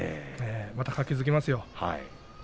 また活気づきますよ。